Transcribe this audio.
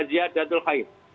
intinya wajah danul khair